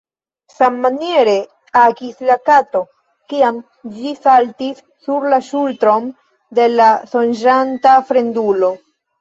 Sammaniere agis la kato, kiam ĝi saltis sur la ŝultron de la sonĝanta fremdulo.